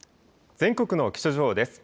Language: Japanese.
全国の気象情報です。